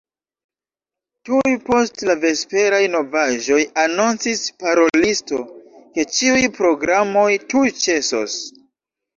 Tuj post la vesperaj novaĵoj anoncis parolisto, ke ĉiuj programoj tuj ĉesos.